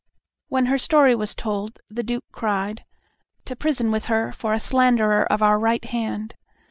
When her story was told, the Duke cried, "To prison with her for a slanderer of our right hand!